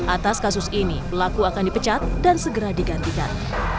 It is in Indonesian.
atas kasus ini pelaku akan dipecat dan segera digantikan